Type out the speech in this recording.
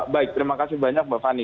baik terima kasih banyak mbak fani